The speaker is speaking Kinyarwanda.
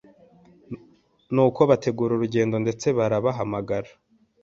nuko bategura urugendo ndetse barabahamagara